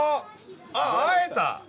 あっ会えた。